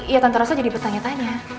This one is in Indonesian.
ya tante roso jadi bertanya tanya